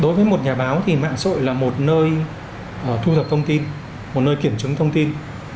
đối với một nhà báo thì mạng xã hội là một nơi thu thập thông tin một nơi kiểm chứng thông tin